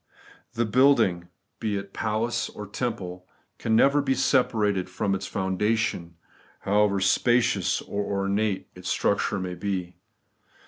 The building, be it palace or temple, can never be separated from its foundation, however spacious or ornate its structure may be.